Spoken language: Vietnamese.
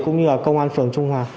cũng như là công an phường trung hoa